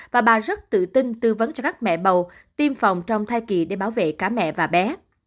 và bà rất tự tin tư vấn cho các mẹ bầu tiêm phòng trong thai kỳ để bảo vệ cả mẹ và bé